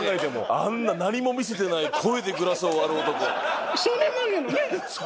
あんな何も見せてない声でグラスを割る男。